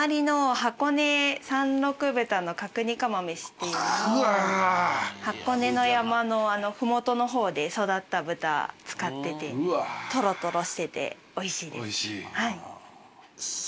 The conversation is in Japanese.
箱根の山の麓の方で育った豚使っててトロトロしてておいしいです。